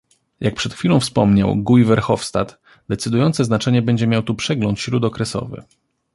Jak przed chwilą wspomniał Guy Verhofstadt, decydujące znaczenie będzie miał tu przegląd śródokresowy